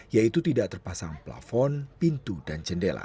yaitu tidak terpasang plafon pintu dan jendela